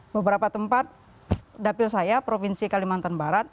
beberapa tempat dapil saya provinsi kalimantan barat